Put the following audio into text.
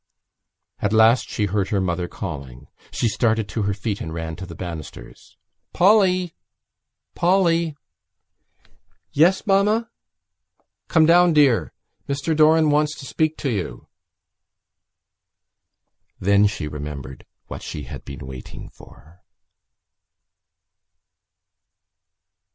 At last she heard her mother calling. She started to her feet and ran to the banisters. "Polly! Polly!" "Yes, mamma?" "Come down, dear. Mr Doran wants to speak to you." Then she remembered what she had been waiting for.